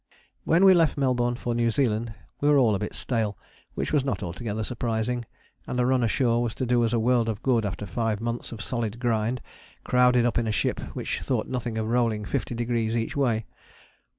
When we left Melbourne for New Zealand we were all a bit stale, which was not altogether surprising, and a run ashore was to do us a world of good after five months of solid grind, crowded up in a ship which thought nothing of rolling 50° each way.